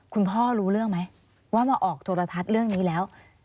รู้เรื่องไหมว่ามาออกโทรทัศน์เรื่องนี้แล้ว